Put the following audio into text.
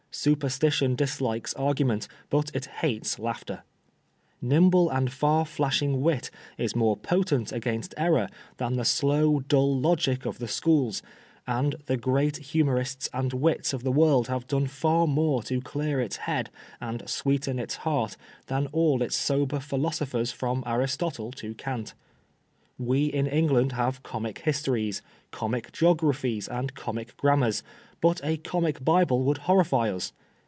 Superstition dislikes arga ment, but it hates laughter. Nimble and far flashing wit is more potent against error than the slow dull logic of the schools ; and the great humorists and wits of the world have done far more to clear its head and sweeten its heart than all its sober philosophers from Aristotle to Eant " We in England have Comic Histories, Comic Geographies, and Comic Grammars, but a Comic Bible would horrify us.